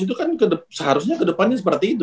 itu kan seharusnya ke depannya seperti itu